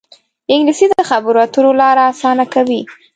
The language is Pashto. انګلیسي د خبرو اترو لاره اسانه کوي